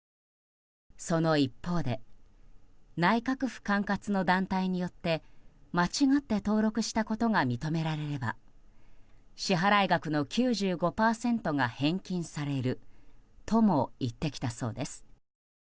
その一方で内閣府管轄の団体によって間違って登録したことが認められれば支払額の９５％が返金されるとも言ってきたそうです。